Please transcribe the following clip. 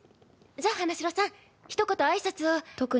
じゃあ花城さんひと言あいさつを。